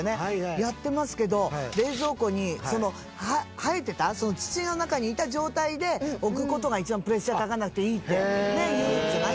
やってますけど冷蔵庫に生えてた土の中にいた状態で置く事が一番プレッシャーがかからなくていいっていうじゃない？